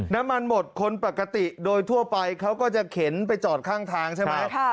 น้ำมันหมดคนปกติโดยทั่วไปเขาก็จะเข็นไปจอดข้างทางใช่ไหม